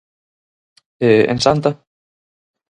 E, en Santa?